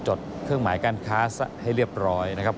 จดเครื่องหมายการค้าให้เรียบร้อยนะครับ